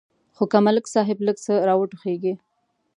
خو که ملک صاحب لږ څه را وټوخېږي.